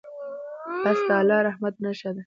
پسه د الله د رحمت نښه ده.